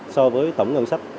so với tổng ngân sách